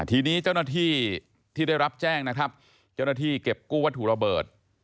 ทีนี้เจ้าหน้าที่ที่ได้รับแจ้งนะครับเจ้าหน้าที่เก็บกู้วัตถุระเบิด